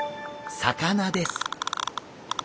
魚です！